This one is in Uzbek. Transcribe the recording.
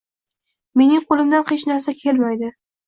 Mening qo’limdan hech narsa kelmaydi